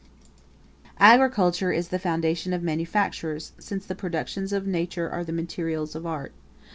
] Agriculture is the foundation of manufactures; since the productions of nature are the materials of art.